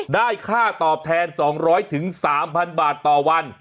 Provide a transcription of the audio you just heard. ได้ค่าตอบแทน๒๐๐๓๐๐บาทต่อวัน